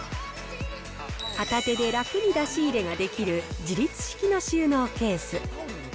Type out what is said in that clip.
片手で楽に出し入れができる自立式の収納ケース。